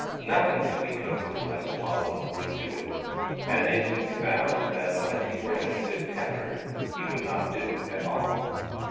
Nothing could be cooked unless Waung would do it, and they soon found that unless he were in a good temper he would not do it at all.